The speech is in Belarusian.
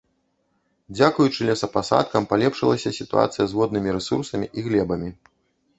Дзякуючы лесапасадкам, палепшылася сітуацыя з воднымі рэсурсамі і глебамі.